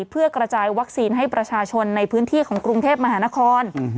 เพื่อกระจายวัคซีนให้ประชาชนในพื้นที่ของกรุงเทพมหานคร